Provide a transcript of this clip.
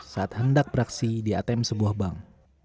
saat hendak beraksi di atm sebuah bank